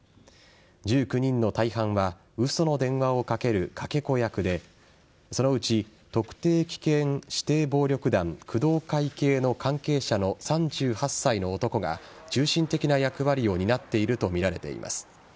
１９人の大半は嘘の電話をかけるかけ子役でそのうち、特定危険指定暴力団工藤会系の関係者の３８歳の男が中心的な役割を担っているとみられています。